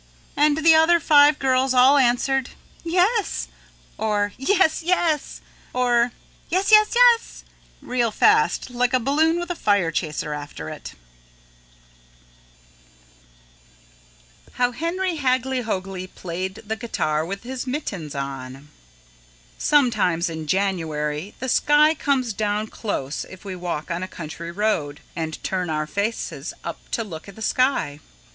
And the other five girls all answered, "Yes," or "Yes, yes," or "Yes, yes, yes," real fast like a balloon with a fire chaser after it. How Henry Hagglyhoagly Played the Guitar with His Mittens On Sometimes in January the sky comes down close if we walk on a country road, and turn our faces up to look at the sky.